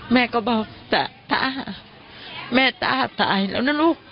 แม่ก็บอกแม่ต้าตายแล้วนะลูก